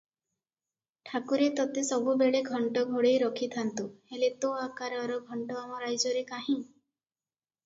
ଠାକୁରେ ତତେ ସବୁବେଳେ ଘଣ୍ଟ ଘୋଡ଼େଇ ରଖିଥାନ୍ତୁ, ହେଲେ ତୋ ଆକାରର ଘଣ୍ଟ ଆମ ରାଇଜରେ କାହିଁ?